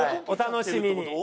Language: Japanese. お楽しみに。